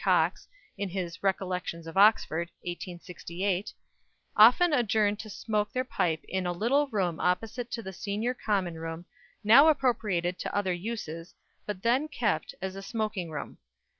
Cox, in his "Recollections of Oxford," 1868, "often adjourned to smoke their pipe in a little room opposite to the Senior Common room, now appropriated to other uses, but then kept as a smoking room."